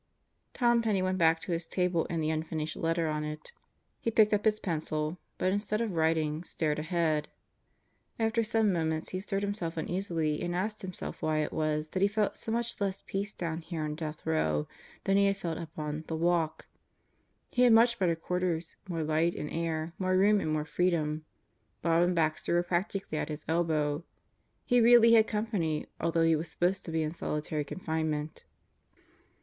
Tom Penney went back to his table and the unfinished letter on it. He picked up his pencil, but instead of writing, stared ahead. After some moments he stirred uneasily and asked himself why it was that he felt so much less peace down here in Death Row than he had felt up on "the walk"? He had much better quarters more light and air; more room and more freedom. Bob and Baxter were practically at his elbow. He really had company although he was supposed to be in solitary confinement.